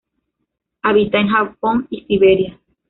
Habita en Japón y Siberia.